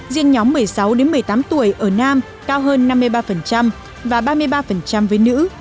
riêng nhóm một mươi sáu một mươi tám tuổi ở nam cao hơn năm mươi ba và ba mươi ba với nữ